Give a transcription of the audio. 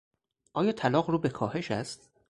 آیا طلاق رو به کاهش است؟